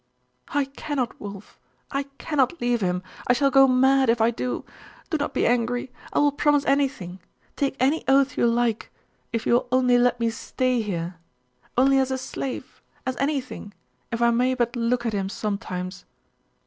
'I cannot, Wulf! I cannot leave him! I shall go mad if I do! Do not be angry; I will promise anything take any oath you like, if you will only let me stay here. Only as a slave as anything if I may but look at him sometimes.